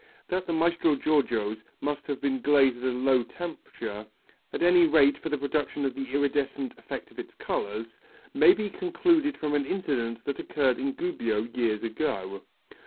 That the Maestro Giorgios must have been glazed at a low temperature, at any rate for the production of the iridescent effect of the colours, may be concluded from an incident that occurred in Gubbio years ago.